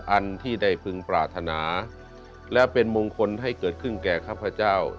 อันที่ได้พึงปรารถนาและเป็นมงคลให้เกิดขึ้นแก่ข้าพเจ้า